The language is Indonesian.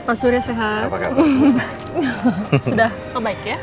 pak surya sehat